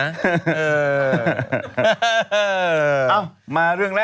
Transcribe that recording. เอ้ามาเรื่องแรก